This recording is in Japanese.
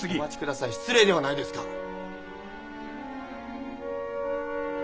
お待ち下さい失礼ではないですか。